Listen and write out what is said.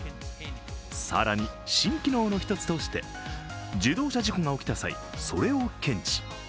更に、新機能の一つとして自動車事故が起きた際、それを検知。